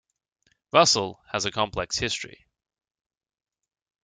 "Russell" has a complex history.